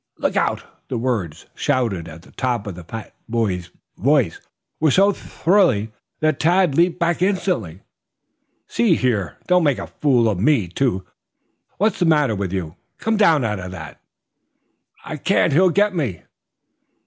"Look out!" The words, shouted at the top of the fat boy's voice, were so thrilling that Tad leaped back instinctively. "See here, don't make a fool of me, too. What's the matter with you? Come down out of that." "I can't. He'll get me."